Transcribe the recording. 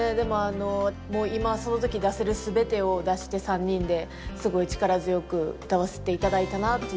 今その時出せる全てを出して３人ですごい力強く歌わせて頂いたなっていう記憶があります。